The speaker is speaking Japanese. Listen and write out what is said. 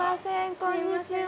こんにちは！